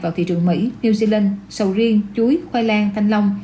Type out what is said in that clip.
vào thị trường mỹ new zealand sầu riêng chuối khoai lang thanh long